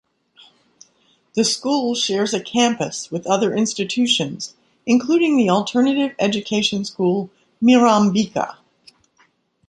The school shares a campus with other institutions including the alternative education school, Mirambika.